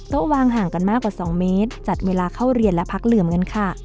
วางห่างกันมากกว่า๒เมตรจัดเวลาเข้าเรียนและพักเหลื่อมกันค่ะ